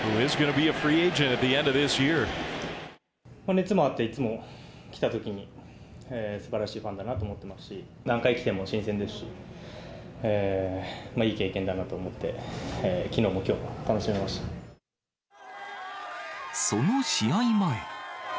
熱もあって、いつも来たときにすばらしいファンだなと思ってますし、何回来ても新鮮ですし、いい経験だなと思って、その試合前。